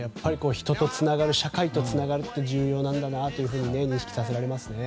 人とつながる社会とつながるって重要なんだと認識させられますね。